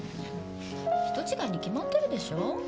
人違いに決まってるでしょう。